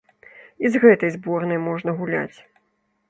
І з гэтай зборнай можна гуляць.